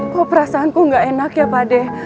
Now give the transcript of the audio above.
kok perasaanku gak enak ya pade